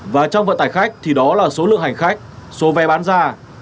và trong vận tải khách thì đó là số lượng hành khách số vé bán ra